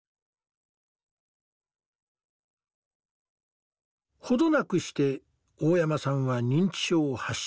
程なくして大山さんは認知症を発症した。